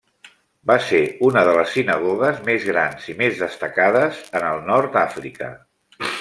Va ser una de les sinagogues més grans i més destacades en el nord d'Àfrica.